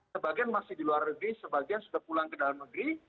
sebagian masih di luar negeri sebagian sudah pulang ke dalam negeri